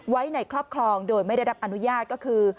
ไว้ในครอบครองโดยไม่ได้รับอนุญาตก็คือ